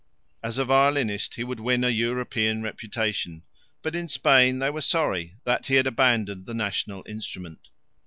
As a violinist he would win a European reputation, but in Spain they were sorry that he had abandoned the national instrument.